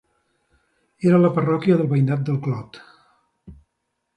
Era la parròquia del veïnat del Clot.